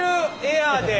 エアーで！